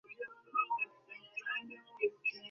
কিন্তু আমরা আমাদের চেষ্টা চালিয়ে যাবো।